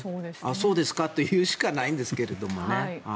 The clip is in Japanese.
そうですかと言うしかないんですけどね。